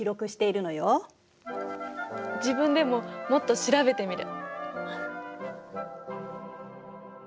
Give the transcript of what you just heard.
自分でももっと調べてみる。